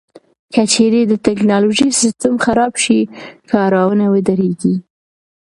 که چیرې د ټکنالوژۍ سیستم خراب شي، کارونه ودریږي.